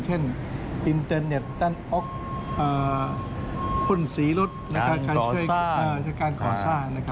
เช่นอินเตอร์เน็ตออกพ่นสีรถในการก่อสร้าง